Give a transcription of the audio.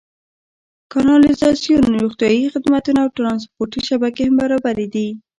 کانالیزاسیون، روغتیايي خدمتونه او ټرانسپورتي شبکې هم برابرې دي.